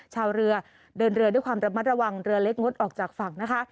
ชาวเรือเดินเรือด้วยความระมัดระวังเรือเล็กงดออกจากฝั่งนะคะ